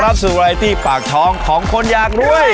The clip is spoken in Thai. รับสู่วัลไอตี้ปากท้องของคนอยากรวย